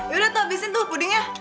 yaudah tuh habisin tuh pudingnya